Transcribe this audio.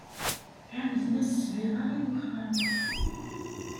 Ɛawden-as ssbiɣa i wexxam.